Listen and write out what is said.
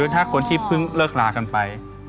ถ้าคนที่เพิ่งเลิกลากันไป